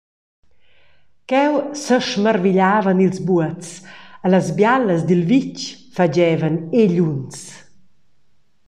Cheu sesmarvigliavan ils buobs e las bialas dil vitg fagevan egliuns.